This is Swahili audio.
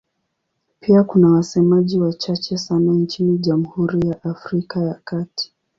Pia kuna wasemaji wachache sana nchini Jamhuri ya Afrika ya Kati.